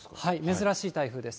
珍しい台風です。